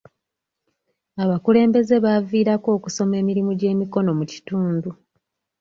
Abakulembeze baaviirako okusoma emirimu gy'emikono mu kitundu.